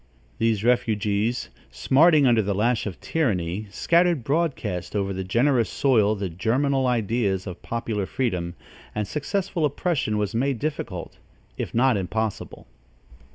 These refugees, smarting under the lash of tyranny, scattered broadcast over the generous soil the germinal ideas of popular freedom, and successful oppression was made difficult, if not impossible.